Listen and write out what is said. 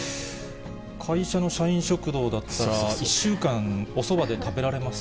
会社の社員食堂だったら、１週間、おそばで食べられます。